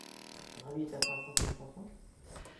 Ravi est en train de chanter une chanson ?